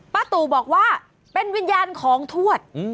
ตู่บอกว่าเป็นวิญญาณของทวด